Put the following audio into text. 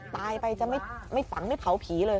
ตายไปจะไม่ฝังไม่เผาผีเลย